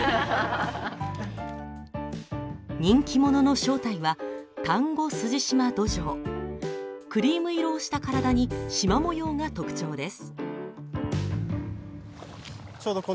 人気者の正体は、タンゴスジシマドジョウクリーム色をした体に縞模様が特徴です。